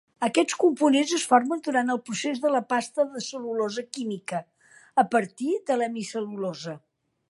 Aquests components es formen durant el procés de la pasta de cel·lulosa química, a partir d'hemicel·lulosa.